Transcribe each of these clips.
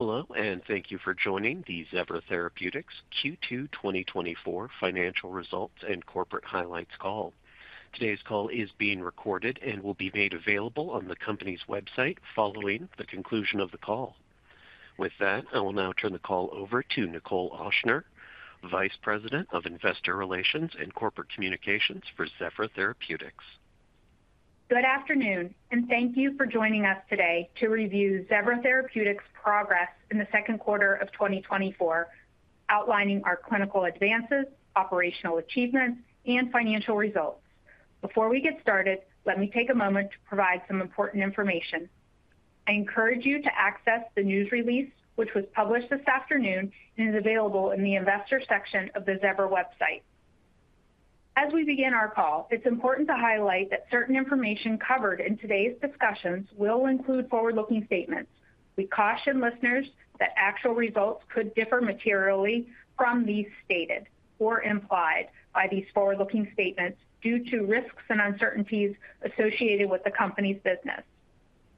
Hello, and thank you for joining the Zevra Therapeutics Q2 2024 financial results and corporate highlights call. Today's call is being recorded and will be made available on the company's website following the conclusion of the call. With that, I will now turn the call over to Nichol Ochsner, Vice President of Investor Relations and Corporate Communications for Zevra Therapeutics. Good afternoon, and thank you for joining us today to review Zevra Therapeutics' progress in the second quarter of 2024, outlining our clinical advances, operational achievements, and financial results. Before we get started, let me take a moment to provide some important information. I encourage you to access the news release, which was published this afternoon and is available in the investor section of the Zevra website. As we begin our call, it's important to highlight that certain information covered in today's discussions will include forward-looking statements. We caution listeners that actual results could differ materially from these stated or implied by these forward-looking statements due to risks and uncertainties associated with the company's business.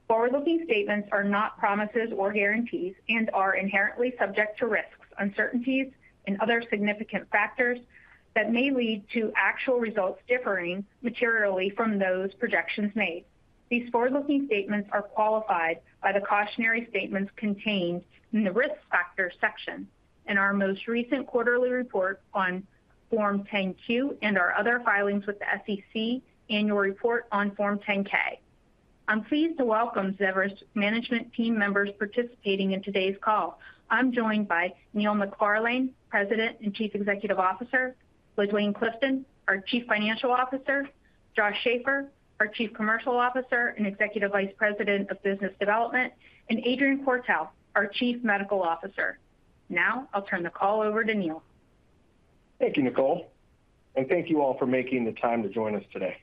Forward-looking statements are not promises or guarantees and are inherently subject to risks, uncertainties, and other significant factors that may lead to actual results differing materially from those projections made. These forward-looking statements are qualified by the cautionary statements contained in the Risk Factors section in our most recent quarterly report on Form 10-Q and our other filings with the SEC, annual report on Form 10-K. I'm pleased to welcome Zevra's management team members participating in today's call. I'm joined by Neil McFarlane, President and Chief Executive Officer, LaDuane Clifton, our Chief Financial Officer, Josh Schafer, our Chief Commercial Officer and Executive Vice President of Business Development, and Adrian Quartel, our Chief Medical Officer. Now, I'll turn the call over to Neil. Thank you, Nichol, and thank you all for making the time to join us today.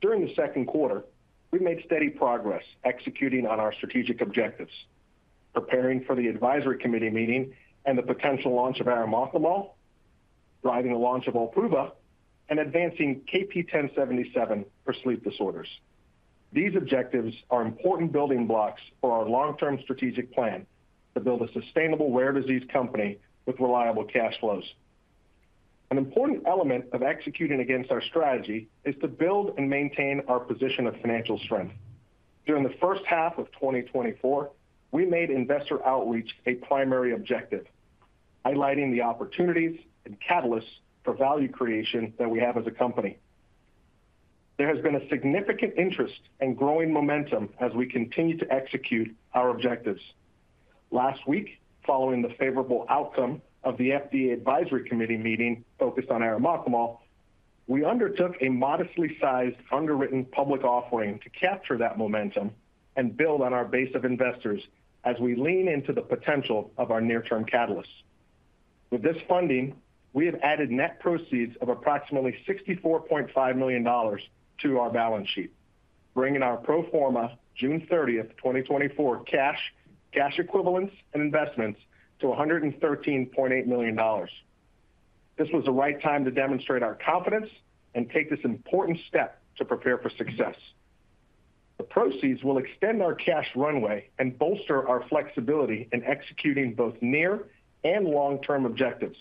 During the second quarter, we made steady progress executing on our strategic objectives, preparing for the advisory committee meeting and the potential launch of arimoclomol, driving the launch of OLPRUVA, and advancing KP1077 for sleep disorders. These objectives are important building blocks for our long-term strategic plan to build a sustainable rare disease company with reliable cash flows. An important element of executing against our strategy is to build and maintain our position of financial strength. During the first half of 2024, we made investor outreach a primary objective, highlighting the opportunities and catalysts for value creation that we have as a company. There has been a significant interest and growing momentum as we continue to execute our objectives. Last week, following the favorable outcome of the FDA advisory committee meeting focused on arimoclomol, we undertook a modestly sized, underwritten public offering to capture that momentum and build on our base of investors as we lean into the potential of our near-term catalysts. With this funding, we have added net proceeds of approximately $64.5 million to our balance sheet, bringing our pro forma June 30th, 2024, cash, cash equivalents, and investments to $113.8 million. This was the right time to demonstrate our confidence and take this important step to prepare for success. The proceeds will extend our cash runway and bolster our flexibility in executing both near and long-term objectives,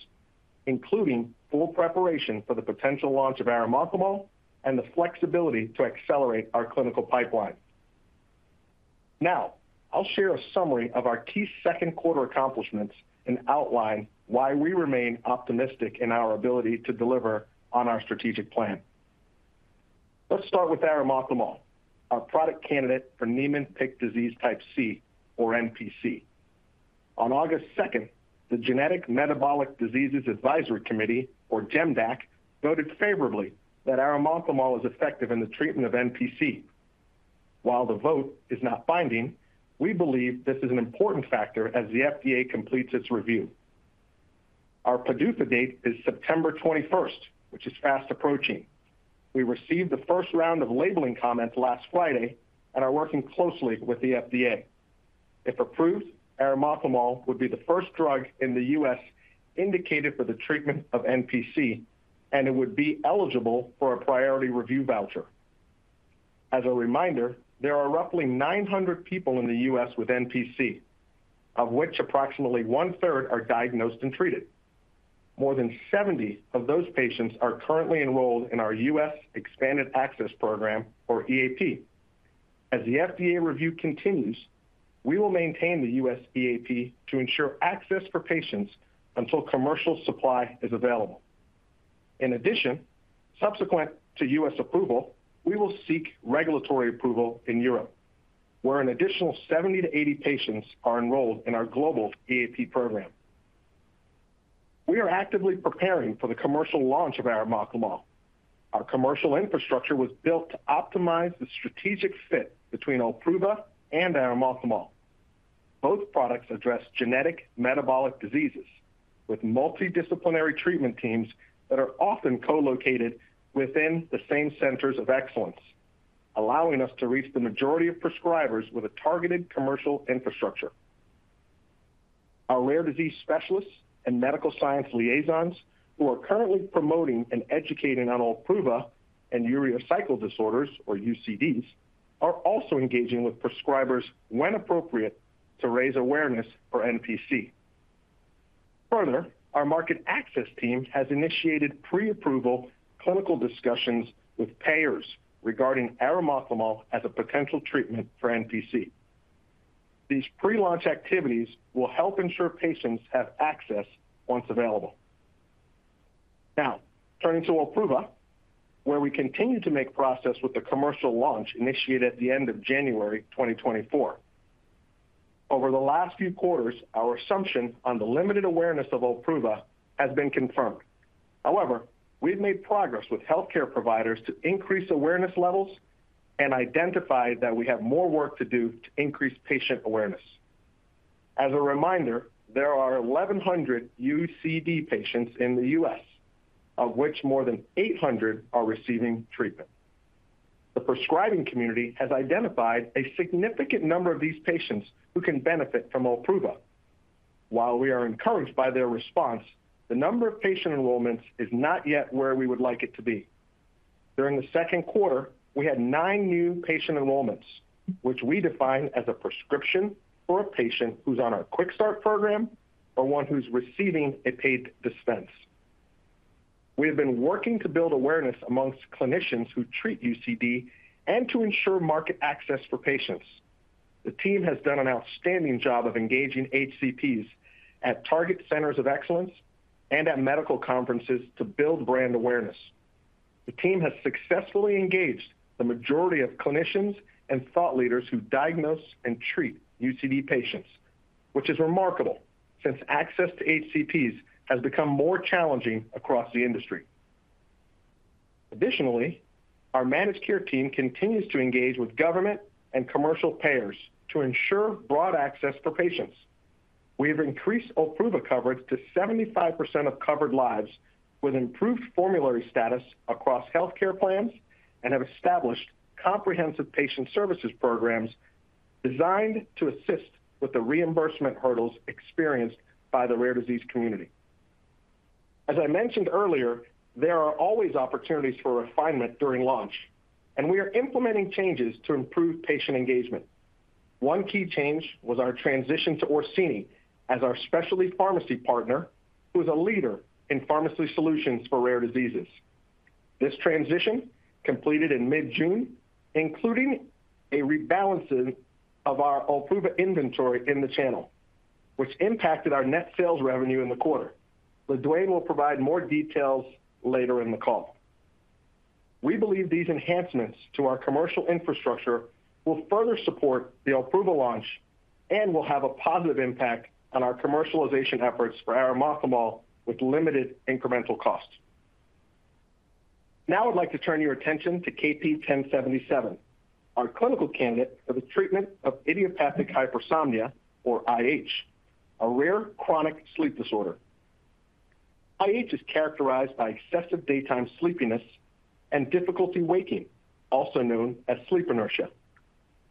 including full preparation for the potential launch of arimoclomol and the flexibility to accelerate our clinical pipeline. Now, I'll share a summary of our key second quarter accomplishments and outline why we remain optimistic in our ability to deliver on our strategic plan. Let's start with arimoclomol, our product candidate for Niemann-Pick disease type C, or NPC. On August 2nd, the Genetic Metabolic Diseases Advisory Committee, or GEMDAC, voted favorably that arimoclomol is effective in the treatment of NPC. While the vote is not binding, we believe this is an important factor as the FDA completes its review. Our PDUFA date is September 21st, which is fast approaching. We received the first round of labeling comments last Friday and are working closely with the FDA. If approved, arimoclomol would be the first drug in the U.S. indicated for the treatment of NPC, and it would be eligible for a Priority Review Voucher. As a reminder, there are roughly 900 people in the U.S. with NPC, of which approximately one-third are diagnosed and treated. More than 70 of those patients are currently enrolled in our U.S. Expanded Access Program, or EAP. As the FDA review continues, we will maintain the U.S. EAP to ensure access for patients until commercial supply is available. In addition, subsequent to U.S. approval, we will seek regulatory approval in Europe, where an additional 70-80 patients are enrolled in our global EAP program. We are actively preparing for the commercial launch of arimoclomol. Our commercial infrastructure was built to optimize the strategic fit between OLPRUVA and arimoclomol. Both products address genetic metabolic diseases with multidisciplinary treatment teams that are often co-located within the same centers of excellence, allowing us to reach the majority of prescribers with a targeted commercial infrastructure.... Our rare disease specialists and medical science liaisons, who are currently promoting and educating on OLPRUVA and urea cycle disorders, or UCDs, are also engaging with prescribers when appropriate, to raise awareness for NPC. Further, our market access team has initiated pre-approval clinical discussions with payers regarding arimoclomol as a potential treatment for NPC. These pre-launch activities will help ensure patients have access once available. Now, turning to OLPRUVA, where we continue to make progress with the commercial launch initiated at the end of January 2024. Over the last few quarters, our assumption on the limited awareness of OLPRUVA has been confirmed. However, we've made progress with healthcare providers to increase awareness levels and identified that we have more work to do to increase patient awareness. As a reminder, there are 1,100 UCD patients in the U.S., of which more than 800 are receiving treatment. The prescribing community has identified a significant number of these patients who can benefit from OLPRUVA. While we are encouraged by their response, the number of patient enrollments is not yet where we would like it to be. During the second quarter, we had nine new patient enrollments, which we define as a prescription for a patient who's on our Quick Start Program or one who's receiving a paid dispense. We have been working to build awareness among clinicians who treat UCD and to ensure market access for patients. The team has done an outstanding job of engaging HCPs at target centers of excellence and at medical conferences to build brand awareness. The team has successfully engaged the majority of clinicians and thought leaders who diagnose and treat UCD patients, which is remarkable, since access to HCPs has become more challenging across the industry. Additionally, our managed care team continues to engage with government and commercial payers to ensure broad access for patients. We have increased OLPRUVA coverage to 75% of covered lives with improved formulary status across healthcare plans and have established comprehensive patient services programs designed to assist with the reimbursement hurdles experienced by the rare disease community. As I mentioned earlier, there are always opportunities for refinement during launch, and we are implementing changes to improve patient engagement. One key change was our transition to Orsini as our specialty pharmacy partner, who is a leader in pharmacy solutions for rare diseases. This transition, completed in mid-June, including a rebalancing of our OLPRUVA inventory in the channel, which impacted our net sales revenue in the quarter. Duane will provide more details later in the call. We believe these enhancements to our commercial infrastructure will further support the OLPRUVA launch and will have a positive impact on our commercialization efforts for arimoclomol with limited incremental costs. Now I'd like to turn your attention to KP1077, our clinical candidate for the treatment of idiopathic hypersomnia, or IH, a rare chronic sleep disorder. IH is characterized by excessive daytime sleepiness and difficulty waking, also known as sleep inertia.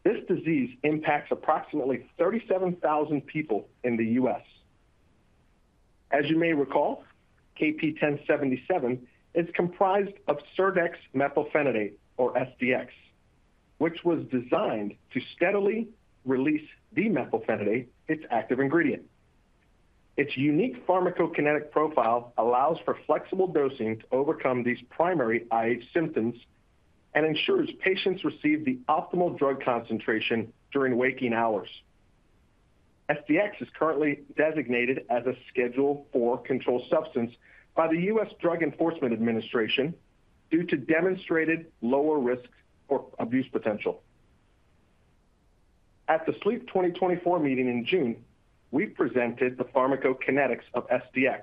This disease impacts approximately 37,000 people in the U.S., As you may recall, KP1077 is comprised of serdexmethylphenidate, or SDX, which was designed to steadily release d-methylphenidate, its active ingredient. Its unique pharmacokinetic profile allows for flexible dosing to overcome these primary IH symptoms and ensures patients receive the optimal drug concentration during waking hours. SDX is currently designated as a Schedule IV controlled substance by the U.S. Drug Enforcement Administration due to demonstrated lower risk for abuse potential. At the SLEEP 2024 meeting in June, we presented the pharmacokinetics of SDX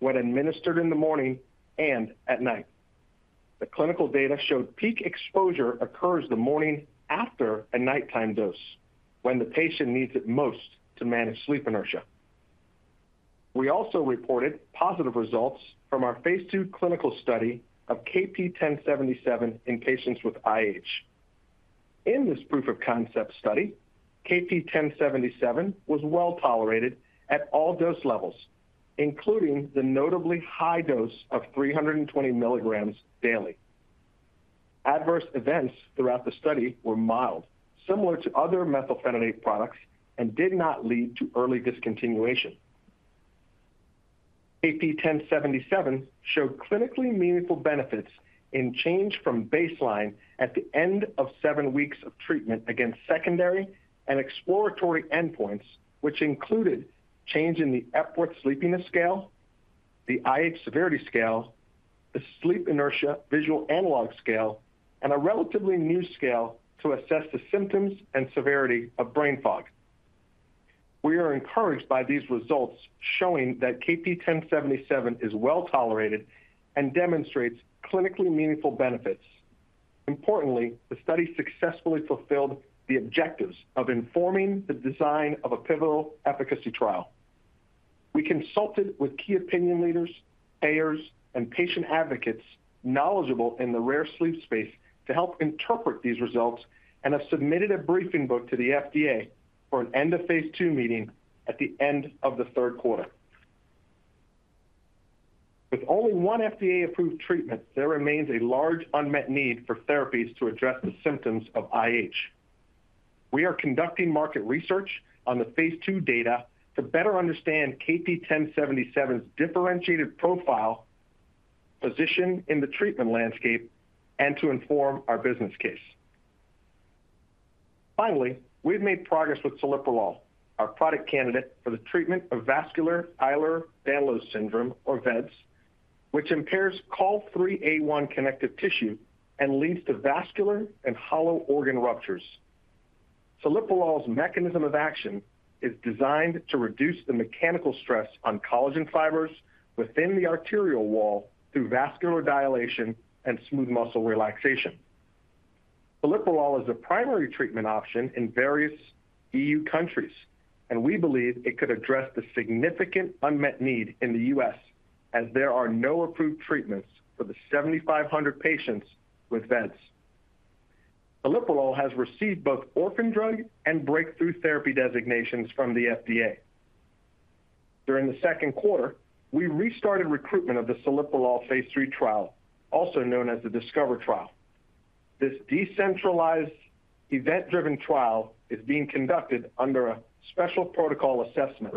when administered in the morning and at night. The clinical data showed peak exposure occurs the morning after a nighttime dose, when the patient needs it most to manage sleep inertia. We also reported positive results from our Phase 2 clinical study of KP1077 in patients with IH. In this proof of concept study, KP1077 was well tolerated at all dose levels, including the notably high dose of 320 milligrams daily. Adverse events throughout the study were mild, similar to other methylphenidate products, and did not lead to early discontinuation. KP1077 showed clinically meaningful benefits in change from baseline at the end of seven weeks of treatment against secondary and exploratory endpoints, which included change in the Epworth Sleepiness Scale, the IH Severity Scale, the Sleep Inertia Visual Analog Scale, and a relatively new scale to assess the symptoms and severity of brain fog. We are encouraged by these results showing that KP1077 is well tolerated and demonstrates clinically meaningful benefits. Importantly, the study successfully fulfilled the objectives of informing the design of a pivotal efficacy trial. We consulted with key opinion leaders, payers, and patient advocates knowledgeable in the rare sleep space to help interpret these results, and have submitted a briefing book to the FDA for an end-of-phase 2 meeting at the end of the third quarter. With only one FDA-approved treatment, there remains a large unmet need for therapies to address the symptoms of IH. We are conducting market research on the Phase 2 data to better understand KP1077's differentiated profile, position in the treatment landscape, and to inform our business case. Finally, we've made progress with celiprolol, our product candidate for the treatment of vascular Ehlers-Danlos syndrome, or vEDS, which impairs COL3A1 connective tissue and leads to vascular and hollow organ ruptures. Celiprolol's mechanism of action is designed to reduce the mechanical stress on collagen fibers within the arterial wall through vascular dilation and smooth muscle relaxation. Celiprolol is a primary treatment option in various EU countries, and we believe it could address the significant unmet need in the U.S., as there are no approved treatments for the 7,500 patients with vEDS. Celiprolol has received both Orphan Drug and Breakthrough Therapy designations from the FDA. During the second quarter, we restarted recruitment of the celiprolol Phase 3 trial, also known as the DiSCOVER trial. This decentralized event-driven trial is being conducted under a Special Protocol Assessment.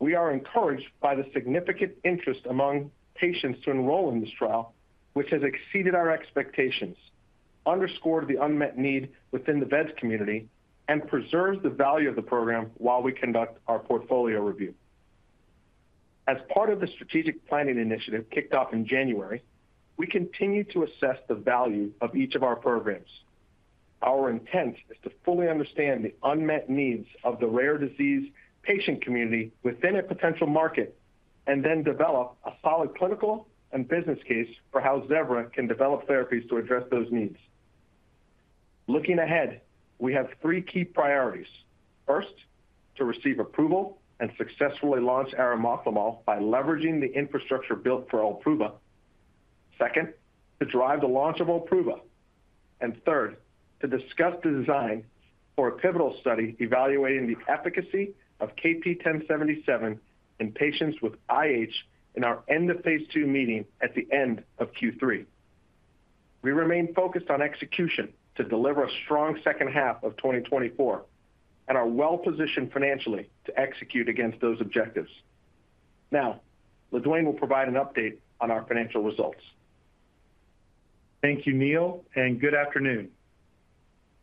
We are encouraged by the significant interest among patients to enroll in this trial, which has exceeded our expectations, underscored the unmet need within the vEDS community, and preserves the value of the program while we conduct our portfolio review. As part of the strategic planning initiative kicked off in January, we continue to assess the value of each of our programs. Our intent is to fully understand the unmet needs of the rare disease patient community within a potential market, and then develop a solid clinical and business case for how Zevra can develop therapies to address those needs. Looking ahead, we have three key priorities. First, to receive approval and successfully launch arimoclomol by leveraging the infrastructure built for OLPRUVA. Second, to drive the launch of OLPRUVA. And third, to discuss the design for a pivotal study evaluating the efficacy of KP1077 in patients with IH in our end-of-Phase 2 meeting at the end of Q3. We remain focused on execution to deliver a strong second half of 2024, and are well-positioned financially to execute against those objectives. Now, LaDuane will provide an update on our financial results. Thank you, Neil, and good afternoon.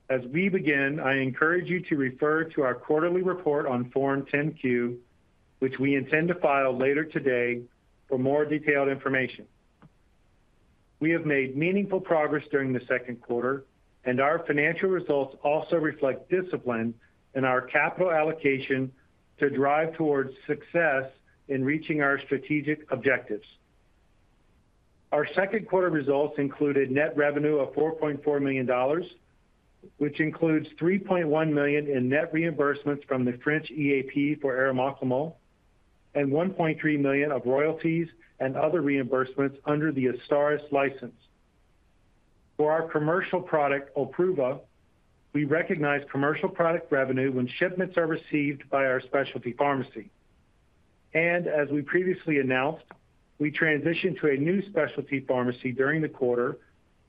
As we begin, I encourage you to refer to our quarterly report on Form 10-Q, which we intend to file later today for more detailed information. We have made meaningful progress during the second quarter, and our financial results also reflect discipline in our capital allocation to drive towards success in reaching our strategic objectives. Our second quarter results included net revenue of $4.4 million, which includes $3.1 million in net reimbursements from the French EAP for arimoclomol, and $1.3 million of royalties and other reimbursements under the AZSTARYS license. For our commercial product, OLPRUVA, we recognize commercial product revenue when shipments are received by our specialty pharmacy. As we previously announced, we transitioned to a new specialty pharmacy during the quarter,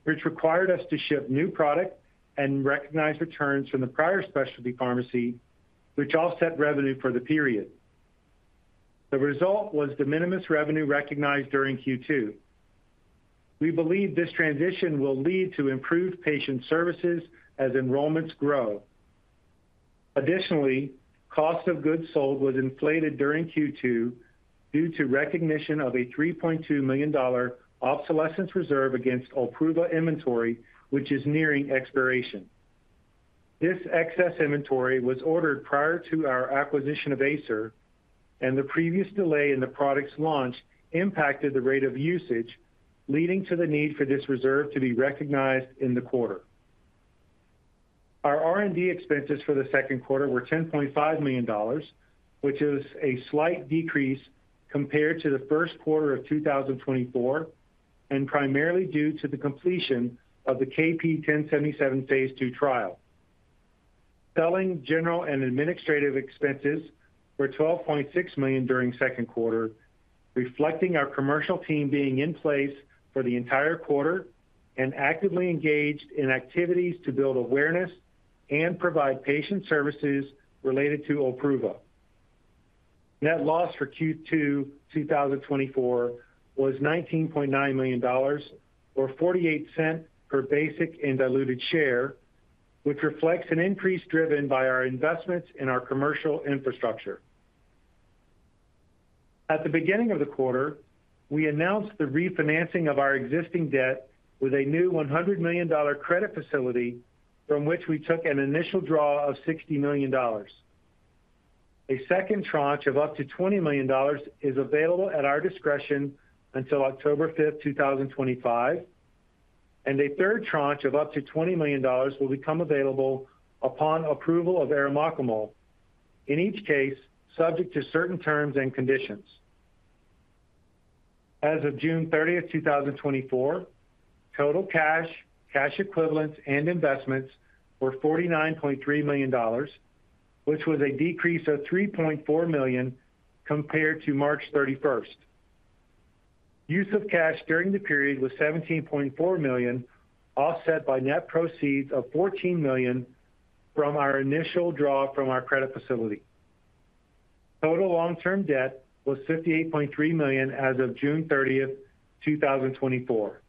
which required us to ship new product and recognize returns from the prior specialty pharmacy, which all set revenue for the period. The result was de minimis revenue recognized during Q2. We believe this transition will lead to improved patient services as enrollments grow. Additionally, cost of goods sold was inflated during Q2 due to recognition of a $3.2 million obsolescence reserve against OLPRUVA inventory, which is nearing expiration. This excess inventory was ordered prior to our acquisition of Acer, and the previous delay in the product's launch impacted the rate of usage, leading to the need for this reserve to be recognized in the quarter. Our R&D expenses for the second quarter were $10.5 million, which is a slight decrease compared to the first quarter of 2024, and primarily due to the completion of the KP1077 Phase 2 trial. Selling, general, and administrative expenses were $12.6 million during second quarter, reflecting our commercial team being in place for the entire quarter and actively engaged in activities to build awareness and provide patient services related to OLPRUVA. Net loss for Q2 2024 was $19.9 million or 48 cents per basic and diluted share, which reflects an increase driven by our investments in our commercial infrastructure. At the beginning of the quarter, we announced the refinancing of our existing debt with a new $100 million credit facility from which we took an initial draw of $60 million. A second tranche of up to $20 million is available at our discretion until October 5, 2025, and a third tranche of up to $20 million will become available upon approval of arimoclomol. In each case, subject to certain terms and conditions. As of June 30th, 2024, total cash, cash equivalents, and investments were $49.3 million, which was a decrease of $3.4 million compared to March 31st. Use of cash during the period was $17.4 million, offset by net proceeds of $14 million from our initial draw from our credit facility. Total long-term debt was $58.3 million as of June 30th, 2024.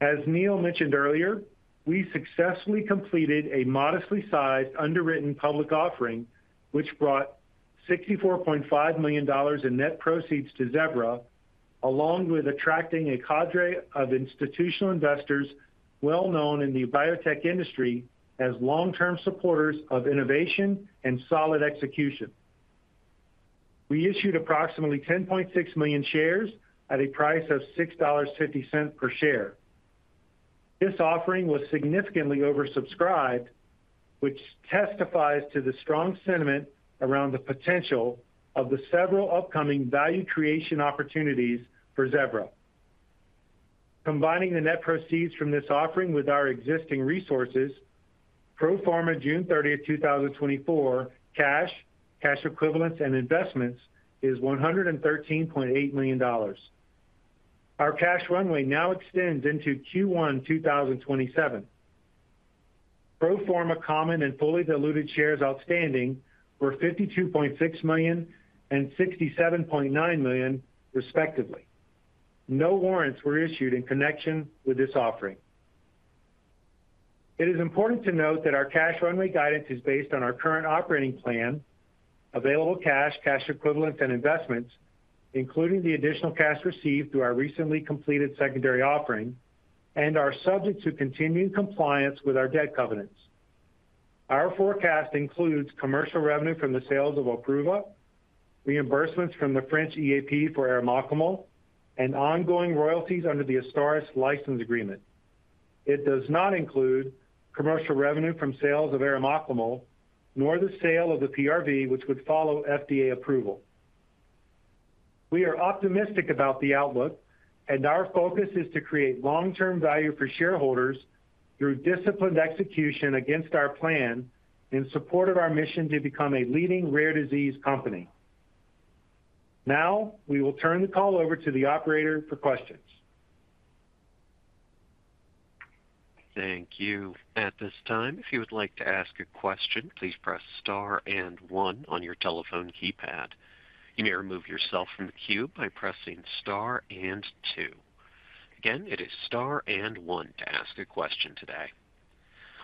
As Neil mentioned earlier, we successfully completed a modestly sized, underwritten public offering, which brought $64.5 million in net proceeds to Zevra, along with attracting a cadre of institutional investors well known in the biotech industry as long-term supporters of innovation and solid execution. We issued approximately 10.6 million shares at a price of $6.50 per share. This offering was significantly oversubscribed, which testifies to the strong sentiment around the potential of the several upcoming value creation opportunities for Zevra. Combining the net proceeds from this offering with our existing resources, pro forma June 30th, 2024, cash, cash equivalents, and investments is $113.8 million. Our cash runway now extends into Q1 2027. Pro forma common and fully diluted shares outstanding were 52.6 million and 67.9 million, respectively. No warrants were issued in connection with this offering. It is important to note that our cash runway guidance is based on our current operating plan, available cash, cash equivalents, and investments, including the additional cash received through our recently completed secondary offering, and are subject to continuing compliance with our debt covenants. Our forecast includes commercial revenue from the sales of OLPRUVA, reimbursements from the French EAP for arimoclomol, and ongoing royalties under the AZSTARYS license agreement. It does not include commercial revenue from sales of arimoclomol, nor the sale of the PRV, which would follow FDA approval. We are optimistic about the outlook, and our focus is to create long-term value for shareholders through disciplined execution against our plan in support of our mission to become a leading rare disease company. Now, we will turn the call over to the operator for questions. Thank you. At this time, if you would like to ask a question, please press star and one on your telephone keypad. You may remove yourself from the queue by pressing star and two. Again, it is star and one to ask a question today.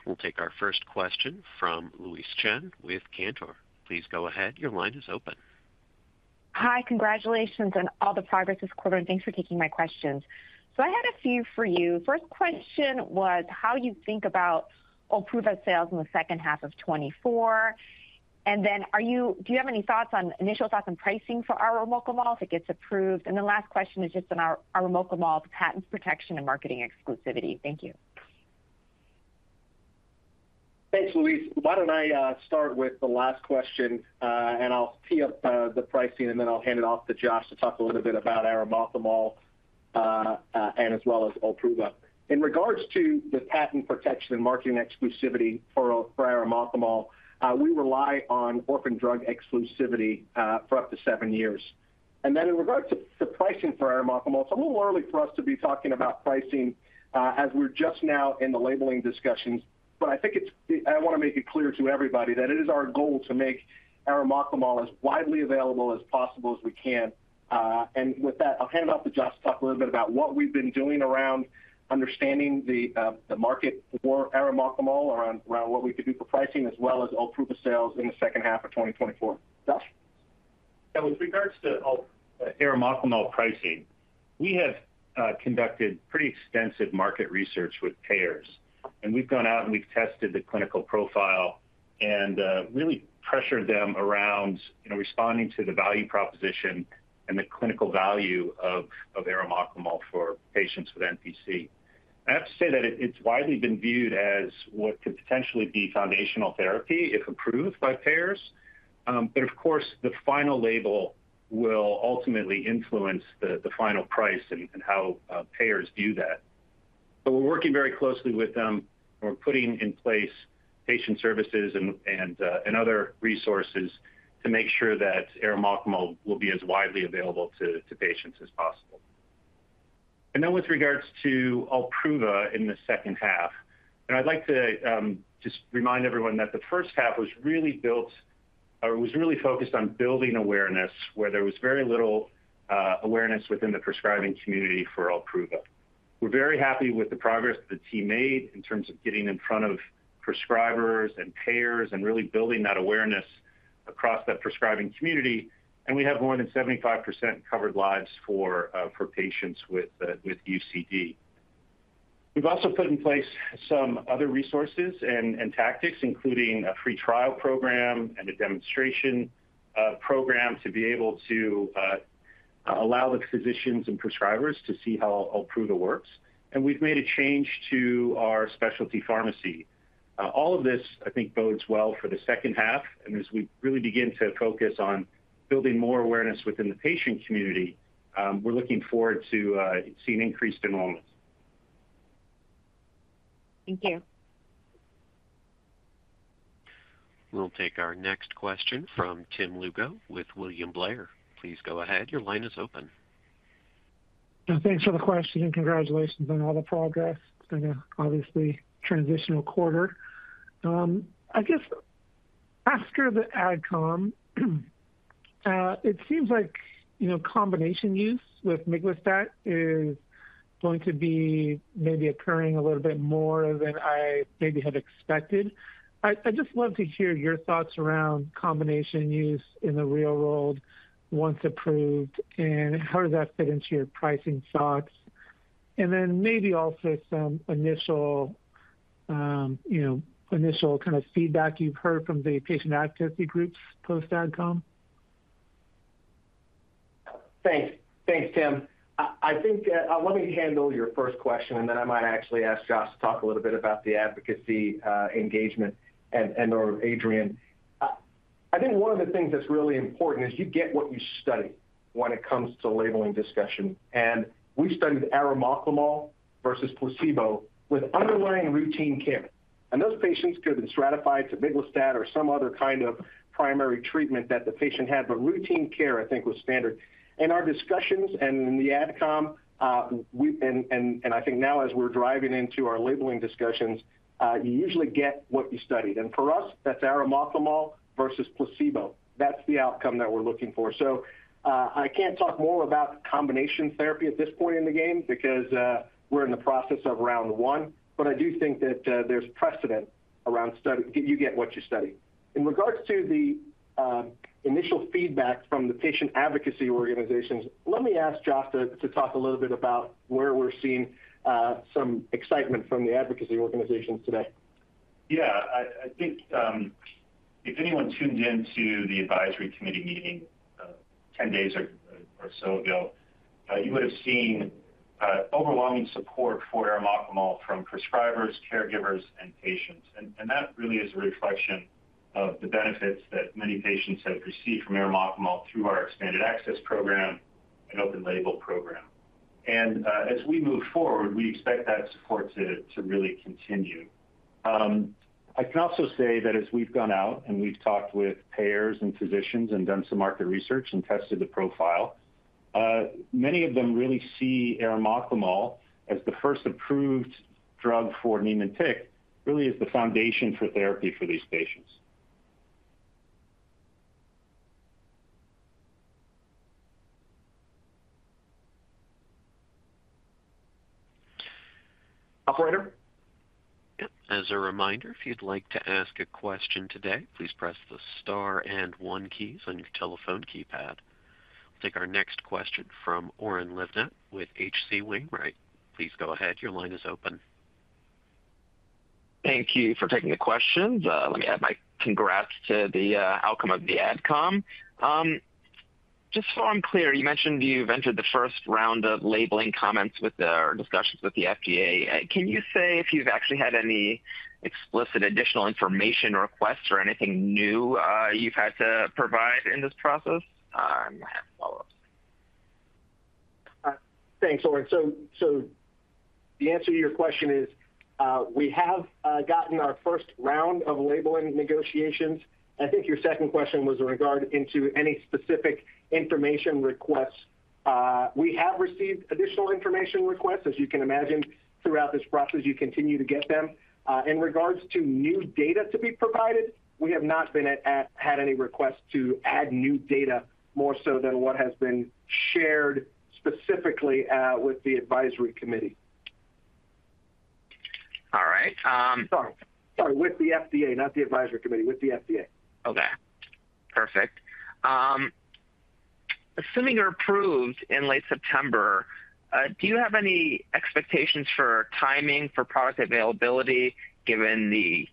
We'll take our first question from Louise Chen with Cantor. Please go ahead. Your line is open. Hi, congratulations on all the progress this quarter, and thanks for taking my questions. So I had a few for you. First question was, how you think about OLPRUVA sales in the second half of 2024? And then do you have any thoughts on... initial thoughts on pricing for arimoclomol if it gets approved? And the last question is just on arimoclomol's patent protection and marketing exclusivity. Thank you. Thanks, Louise. Why don't I start with the last question, and I'll tee up the pricing, and then I'll hand it off to Josh to talk a little bit about arimoclomol, and as well as OLPRUVA. In regards to the patent protection and marketing exclusivity for arimoclomol, we rely on orphan drug exclusivity for up to seven years. And then in regards to pricing for arimoclomol, it's a little early for us to be talking about pricing, as we're just now in the labeling discussions. But I think it's- I wanna make it clear to everybody that it is our goal to make arimoclomol as widely available as possible as we can. And with that, I'll hand it off to Josh to talk a little bit about what we've been doing around understanding the market for arimoclomol, around what we could do for pricing, as well as OLPRUVA sales in the second half of 2024. Josh? Yeah, with regards to arimoclomol pricing, we have conducted pretty extensive market research with payers, and we've gone out and we've tested the clinical profile and really pressured them around, you know, responding to the value proposition and the clinical value of arimoclomol for patients with NPC. I have to say that it's widely been viewed as what could potentially be foundational therapy if approved by payers. But of course, the final label will ultimately influence the final price and how payers view that. But we're working very closely with them. We're putting in place patient services and other resources to make sure that arimoclomol will be as widely available to patients as possible. And then with regards to OLPRUVA in the second half, and I'd like to just remind everyone that the first half was really built, or was really focused on building awareness, where there was very little awareness within the prescribing community for OLPRUVA. We're very happy with the progress the team made in terms of getting in front of prescribers and payers and really building that awareness across that prescribing community, and we have more than 75% covered lives for patients with UCD.... We've also put in place some other resources and tactics, including a free trial program and a demonstration program, to be able to allow the physicians and prescribers to see how OLPRUVA works. And we've made a change to our specialty pharmacy. All of this, I think, bodes well for the second half. And as we really begin to focus on building more awareness within the patient community, we're looking forward to seeing increased enrollment. Thank you. We'll take our next question from Tim Lugo with William Blair. Please go ahead. Your line is open. Thanks for the question, and congratulations on all the progress. It's been a obviously transitional quarter. I guess after the AdCom, it seems like, you know, combination use with miglustat is going to be maybe occurring a little bit more than I maybe had expected. I'd, I'd just love to hear your thoughts around combination use in the real world once approved, and how does that fit into your pricing thoughts? And then maybe also some initial, you know, initial kind of feedback you've heard from the patient advocacy groups post AdCom. Thanks. Thanks, Tim. I think, let me handle your first question, and then I might actually ask Josh to talk a little bit about the advocacy engagement, and or Adrian. I think one of the things that's really important is you get what you study when it comes to labeling discussion, and we studied arimoclomol versus placebo with underlying routine care. And those patients could have been stratified to miglustat or some other kind of primary treatment that the patient had, but routine care, I think, was standard. In our discussions and in the AdCom, and I think now as we're driving into our labeling discussions, you usually get what you studied. And for us, that's arimoclomol versus placebo. That's the outcome that we're looking for. So, I can't talk more about combination therapy at this point in the game because, we're in the process of round one. But I do think that, there's precedent around study. You get what you study. In regards to the initial feedback from the patient advocacy organizations, let me ask Josh to talk a little bit about where we're seeing some excitement from the advocacy organizations today. Yeah, I think, if anyone tuned in to the advisory committee meeting, 10 days or so ago, you would have seen, overwhelming support for arimoclomol from prescribers, caregivers, and patients. And, that really is a reflection of the benefits that many patients have received from arimoclomol through our expanded access program and open label program. And, as we move forward, we expect that support to really continue. I can also say that as we've gone out and we've talked with payers and physicians and done some market research and tested the profile, many of them really see arimoclomol as the first approved drug for Niemann-Pick, really as the foundation for therapy for these patients. Operator? Yep. As a reminder, if you'd like to ask a question today, please press the star and one keys on your telephone keypad. Take our next question from Oren Livnat with H.C. Wainwright. Please go ahead. Your line is open. Thank you for taking the questions. Let me add my congrats to the outcome of the AdCom. Just so I'm clear, you mentioned you've entered the first round of labeling comments with the or discussions with the FDA. Can you say if you've actually had any explicit additional information requests or anything new you've had to provide in this process? I have a follow-up. Thanks, Oren. So the answer to your question is, we have gotten our first round of labeling negotiations. I think your second question was in regard to any specific information requests. We have received additional information requests. As you can imagine, throughout this process, you continue to get them. In regards to new data to be provided, we have not had any requests to add new data more so than what has been shared specifically with the advisory committee. All right, Sorry. Sorry, with the FDA, not the advisory committee. With the FDA. Okay, perfect. Assuming you're approved in late September, do you have any expectations for timing for product availability, given the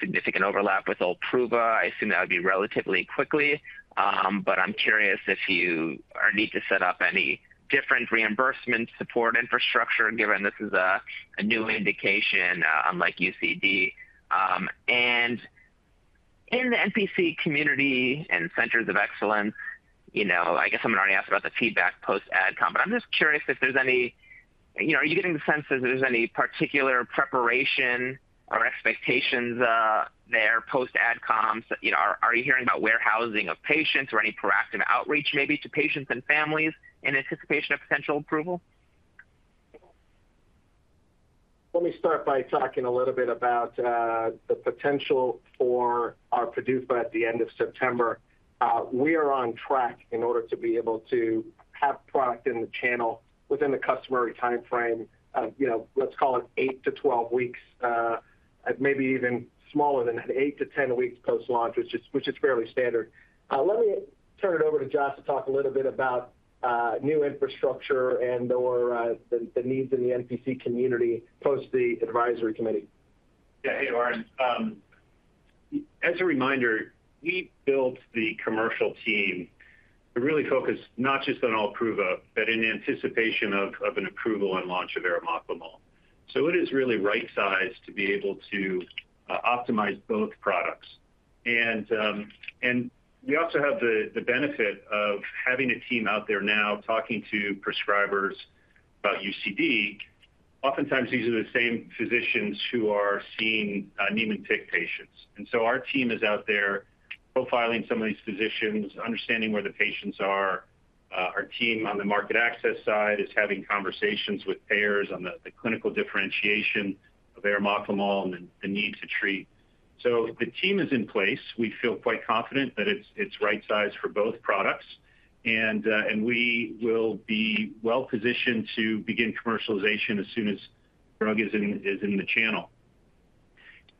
significant overlap with OLPRUVA? I assume that would be relatively quickly. But I'm curious if you need to set up any different reimbursement support infrastructure, given this is a new indication, unlike UCD. And in the NPC community and centers of excellence, you know, I guess I'm already asked about the feedback post-AdCom, but I'm just curious if there's any. You know, are you getting the sense that there's any particular preparation or expectations there post-AdCom? So, you know, are you hearing about warehousing of patients or any proactive outreach maybe to patients and families in anticipation of potential approval? Let me start by talking a little bit about the potential for our PDUFA at the end of September. We are on track in order to be able to have product in the channel within the customary timeframe of, you know, let's call it eight-12 weeks, maybe even smaller than that, eight-10 weeks post-launch, which is, which is fairly standard. Let me turn it over to Josh to talk a little bit about new infrastructure and/or the needs in the NPC community, post the advisory committee. Yeah. Hey, Oren. As a reminder, we built the commercial team to really focus not just on OLPRUVA, but in anticipation of an approval and launch of arimoclomol. So it is really right-sized to be able to optimize both products. And we also have the benefit of having a team out there now talking to prescribers about UCD. Oftentimes, these are the same physicians who are seeing Niemann-Pick patients. And so our team is out there profiling some of these physicians, understanding where the patients are. Our team on the market access side is having conversations with payers on the clinical differentiation of arimoclomol and the need to treat. So the team is in place. We feel quite confident that it's right-sized for both products, and we will be well-positioned to begin commercialization as soon as the drug is in the channel.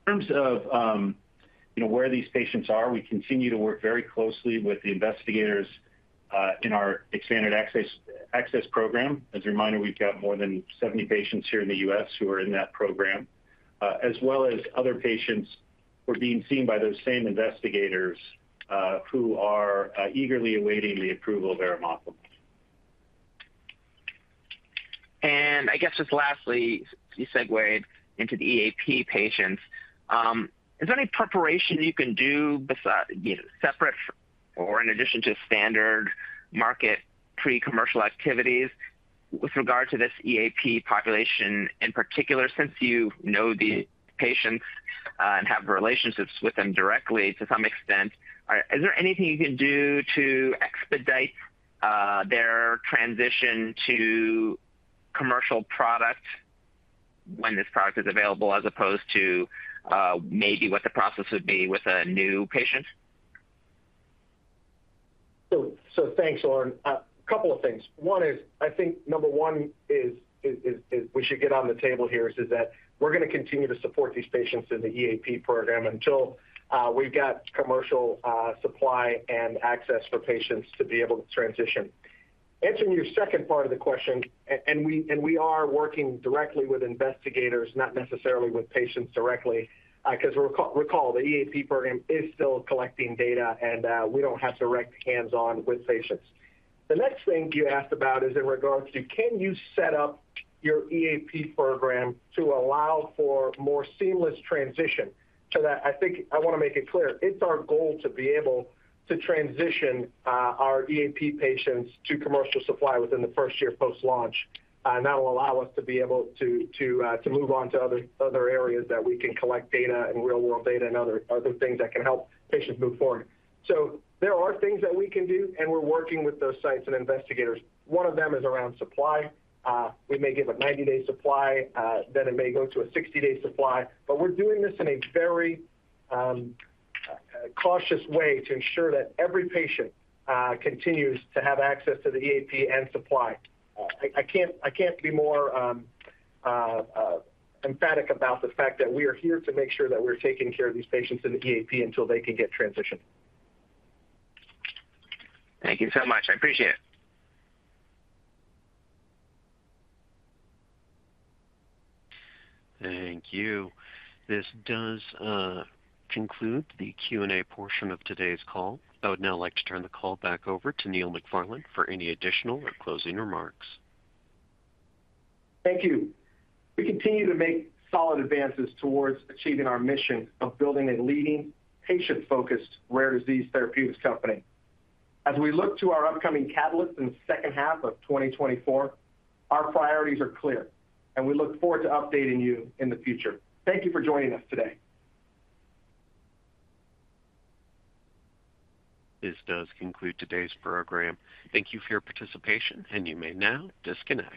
In terms of, you know, where these patients are, we continue to work very closely with the investigators in our expanded access program. As a reminder, we've got more than 70 patients here in the U.S. who are in that program, as well as other patients who are being seen by those same investigators who are eagerly awaiting the approval of arimoclomol. And I guess just lastly, you segued into the EAP patients. Is there any preparation you can do beside, you know, separate or in addition to standard market pre-commercial activities with regard to this EAP population in particular, since you know the patients, and have relationships with them directly to some extent? Is there anything you can do to expedite their transition to commercial product when this product is available, as opposed to, maybe what the process would be with a new patient? So thanks, Oren. A couple of things. One is, I think number one is we should get on the table here, that we're gonna continue to support these patients in the EAP program until we've got commercial supply and access for patients to be able to transition. Answering your second part of the question, and we are working directly with investigators, not necessarily with patients directly, 'cause recall, the EAP program is still collecting data, and we don't have direct hands-on with patients. The next thing you asked about is in regards to can you set up your EAP program to allow for more seamless transition? To that, I think I wanna make it clear, it's our goal to be able to transition our EAP patients to commercial supply within the first year post-launch. And that will allow us to be able to, to, to move on to other, other areas that we can collect data and real-world data and other, other things that can help patients move forward. So there are things that we can do, and we're working with those sites and investigators. One of them is around supply. We may give a 90-day supply, then it may go to a 60-day supply, but we're doing this in a very, cautious way to ensure that every patient, continues to have access to the EAP and supply. I can't be more emphatic about the fact that we are here to make sure that we're taking care of these patients in the EAP until they can get transitioned. Thank you so much. I appreciate it. Thank you. This does conclude the Q&A portion of today's call. I would now like to turn the call back over to Neil McFarlane for any additional or closing remarks. Thank you. We continue to make solid advances towards achieving our mission of building a leading, patient-focused, rare disease therapeutics company. As we look to our upcoming catalysts in the second half of 2024, our priorities are clear, and we look forward to updating you in the future. Thank you for joining us today. This does conclude today's program. Thank you for your participation, and you may now disconnect.